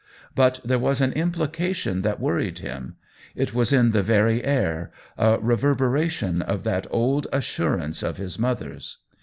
But there was an implication that worried him — it was in the very air, a rever beration of that old assurance of his mother's.